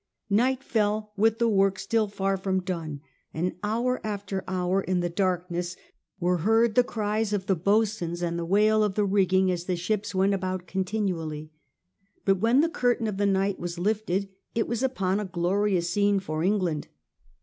Night fell with the work still far from done, and hour after hour in the darkness were I50 S/J^ FRANCIS DRAKE chap. heard the cries of the boatswains and the wail of the rigging as the ships went about continually. But when the curtain of the night waa lifted it was upon a glorious scene for England.